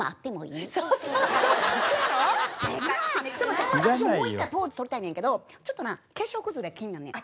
ちょっと待って私ももう一回ポーズとりたいねんけどちょっとな化粧崩れ気になんねん。